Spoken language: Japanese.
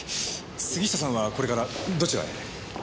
杉下さんはこれからどちらへ？